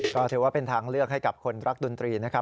ก็ถือว่าเป็นทางเลือกให้กับคนรักดนตรีนะครับ